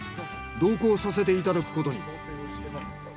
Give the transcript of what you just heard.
同行させていただくことに。